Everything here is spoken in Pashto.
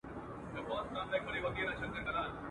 د مېږیانو کور له غمه نه خلاصېږي..